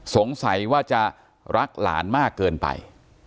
สงสัยว่าจะรักหลานมากเกินไป